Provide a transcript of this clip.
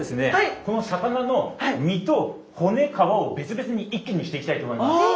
この魚の身と骨皮を別々に一気にしていきたいと思います。